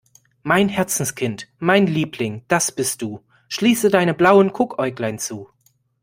Mein Herzenskind, mein Liebling, das bist du, schließe deine blauen Guckäuglein zu.